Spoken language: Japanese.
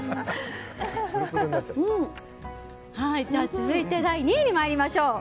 続いて、第２位に参りましょう。